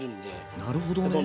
なるほどね。